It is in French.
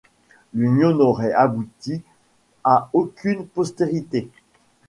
L'union n'aurait abouti à aucune postérité.